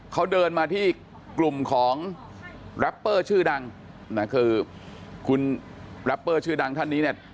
เขาเดินมาที่กลุ่มของแรปเปอร์ชื่อดังนะคือคุณแรปเปอร์ชื่อดังท่านนี้เนี่ย